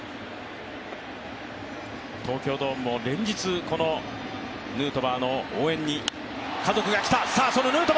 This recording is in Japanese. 東京ドームも連日このヌートバーの応援に家族が来た。